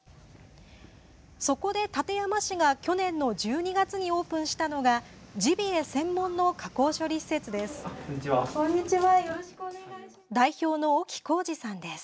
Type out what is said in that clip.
そこで、館山市が去年の１２月にオープンしたのがジビエ専門の加工処理施設です。